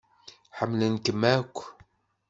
Ḥemmlen-kem akk.